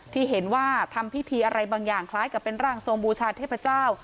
ที่เห็นว่าทำพิธีอะไรบางอย่างคล้ายกับเป็นร่างทรงบูชาเทพเจ้า